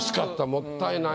もったいないな。